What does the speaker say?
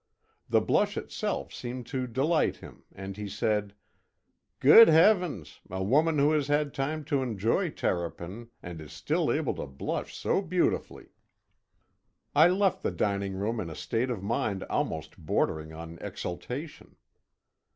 The blush itself seemed to delight him, and he said: "Good heavens! a woman who has had time to enjoy terrapin, and is still able to blush so beautifully!" I left the dining room in a state of mind almost bordering on exaltation.